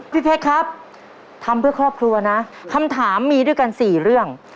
พี่เพชรครับทำเพื่อครอบครัวนะคำถามมีด้วยกัน๔เรื่อง